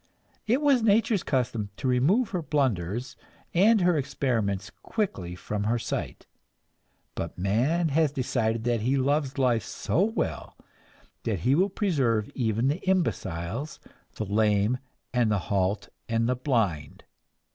It was nature's custom to remove her blunders and her experiments quickly from her sight. But man has decided that he loves life so well that he will preserve even the imbeciles, the lame and the halt and the blind.